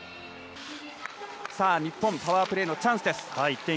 日本パワープレーのチャンスです。